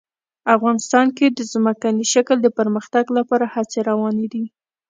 افغانستان کې د ځمکني شکل د پرمختګ لپاره هڅې روانې دي.